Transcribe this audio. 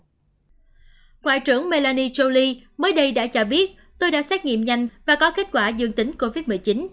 ngoại trưởng melani choli mới đây đã cho biết tôi đã xét nghiệm nhanh và có kết quả dương tính covid một mươi chín